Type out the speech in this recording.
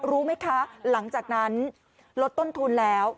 รู้ไหมคะหลังจากนั้นลดต้นทุนแล้ว